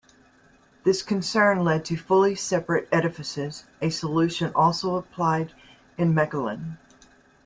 This concern led to fully separate edifices, a solution also applied in Mechelen.